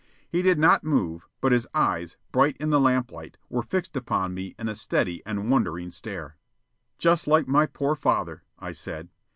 He did not move, but his eyes, bright in the lamplight, were fixed upon me in a steady and wondering stare. "Just like my poor father," I said.